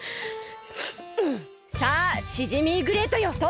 さあシジミーグレイトよ！